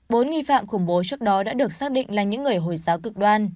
bốn nghi phạm khủng bố trước đó đã được xác định là những người hồi giáo cực đoan